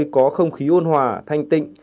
có không khí ôn hòa thanh tịnh